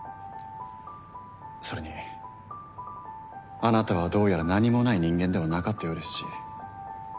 それにあなたはどうやら何もない人間ではなかったようですし。